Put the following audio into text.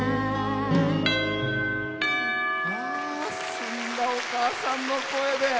澄んだお母さんの声で。